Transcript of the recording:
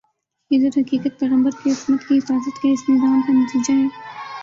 یہ درحقیقت پیغمبر کی عصمت کی حفاظت کے اس نظام کا نتیجہ ہے